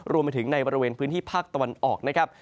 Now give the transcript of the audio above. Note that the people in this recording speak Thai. รวมไปถึงในบริเวณพื้นที่ภาคตะวันออกนะครับ